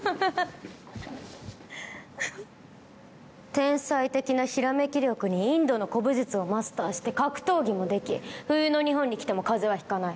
天才的なひらめき力にインドの古武術をマスターして格闘技もでき冬の日本に来ても風邪はひかない。